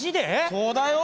そうだよ。